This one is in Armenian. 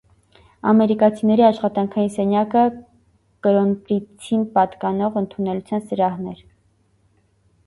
Ամերիկացիների աշխատանքային սենյակը կրոնպրինցին պատկանող ընդունելության սրահն էր։